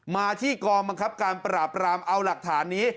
มาที่กองบังคับการปราบรามเอาหลักฐานนี้